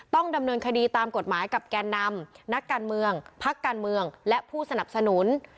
ต้องดำเนินคดีตามกฎหมายกับแกนนำนักการเมืองพักการเมืองและผู้สนับสนุน